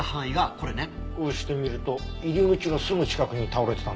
こうして見ると入り口のすぐ近くに倒れてたんだね。